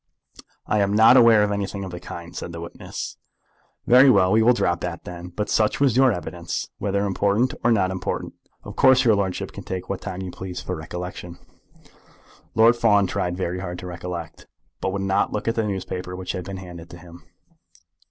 "I am not aware of anything of the kind," said the witness. "Very well. We will drop that then. But such was your evidence, whether important or not important. Of course your lordship can take what time you please for recollection." Lord Fawn tried very hard to recollect, but would not look at the newspaper which had been handed to him.